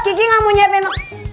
gigi gak mau siapin